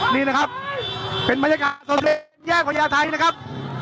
นี่นะครับเป็นบรรยากาศสดแยกพญาไทยนะครับ